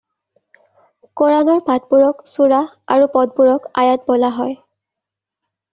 কোৰআনৰ পাঠবোৰক 'ছূৰা' আৰু পদবোৰক 'আয়াত' বোলা হয়।